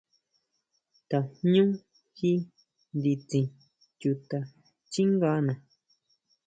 Tajñú ji nditsin chuta xchíngana.